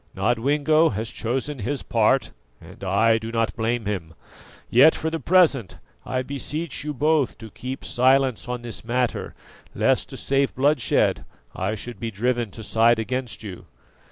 Nodwengo has chosen his part, and I do not blame him; yet, for the present I beseech you both to keep silence on this matter, lest to save bloodshed I should be driven to side against you."